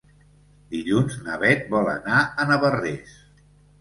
Dilluns na Bet vol anar a Navarrés.